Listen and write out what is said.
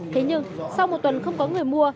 thế nhưng sau một tuần không có người mua